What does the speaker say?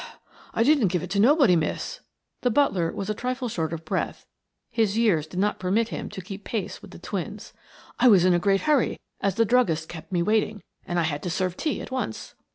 "I didn't give it to nobody, miss." The butler was a trifle short of breath; his years did not permit him to keep pace with the twins. "I was in a great hurry as the druggist kept me waiting, and I had to serve tea at once."